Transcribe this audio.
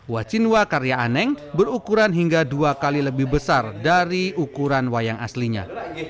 wacinwa karya aneng berukuran hingga dua kali lebih besar dari ukuran wayang aslinya